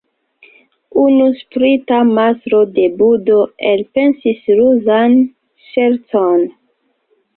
Unu sprita mastro de budo elpensis ruzan ŝercon.